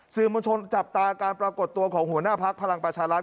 มวลชนจับตาการปรากฏตัวของหัวหน้าพักพลังประชารัฐ